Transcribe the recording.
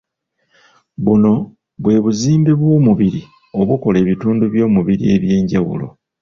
Buno bwe buzimbe bw'omubiri obukola ebitundu by'omubiri eby'enjawulo